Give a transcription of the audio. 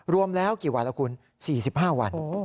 รวมแล้วกี่วันแล้วคุณ๔๕วัน